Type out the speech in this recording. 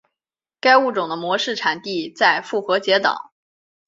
该物种的模式产地在复活节岛。